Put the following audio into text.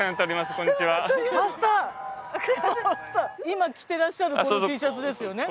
今着てらっしゃるこのＴシャツですよね？